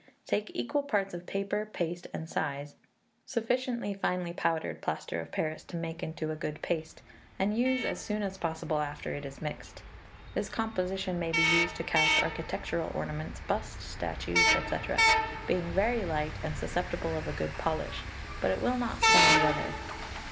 Take equal parts of paper, paste, and size, sufficient finely powdered plaster of Paris to make into a good paste, and use as soon as possible after it is mixed. This composition may be used to cast architectural ornaments, busts, statues, &c., being very light, and susceptible of a good polish, but it will not stand weather.